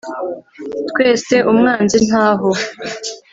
twese umwanzi ntaho